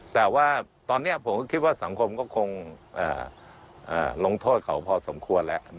แต่ว่าตอนนี้ผมก็คิดว่าสังคมก็คงลงโทษเขาพอสมควรแล้ว